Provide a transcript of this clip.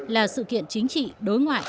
là sự kiện chính trị đối ngoại